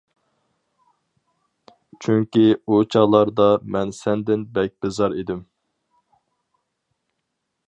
چۈنكى ئۇ چاغلاردا مەن سەندىن بەك بىزار ئىدىم.